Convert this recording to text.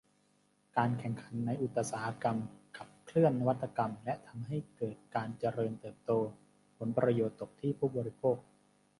การแข่งขันในอุตสาหกรรมขับเคลื่อนนวัตกรรมและทำให้เกิดการเจริญเติบโต ผลประโยชน์ตกที่ผู้บริโภค